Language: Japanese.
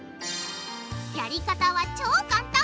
やり方は超簡単！